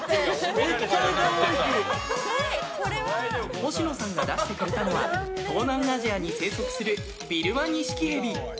星野さんが出してくれたのは東南アジアに生息するビルマニシキヘビ。